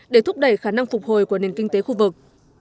để thúc đẩy khả năng phục hồi của nền kinh tế khu vực